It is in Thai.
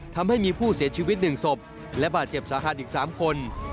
ทำให้มีผู้เสียชีวิต๑ศพและบาดเจ็บสาหัสอีก๓คน